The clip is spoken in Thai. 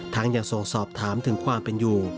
ยังส่งสอบถามถึงความเป็นอยู่